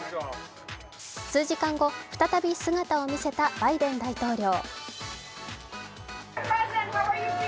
数時間後、再び姿を見せたバイデン大統領。